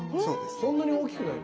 そんなに大きくない。